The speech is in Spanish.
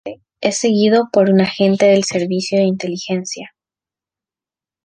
Pero al día siguiente es seguido por un agente del Servicio de Inteligencia.